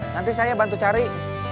nanti saya bantu cari